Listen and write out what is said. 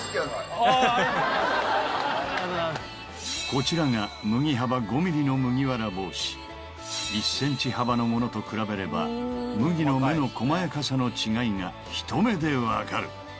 こちらがの麦わら帽子１ｃｍ幅のものと比べれば麦の目の細やかさの違いがひと目でわかる‼